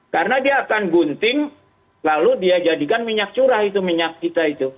karena dia akan gunting lalu dia jadikan minyak curah itu minyak kita itu